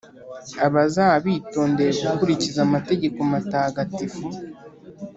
Abazaba bitondeye gukurikiza amategeko matagatifu